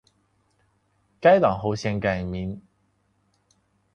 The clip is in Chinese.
该党后改现名。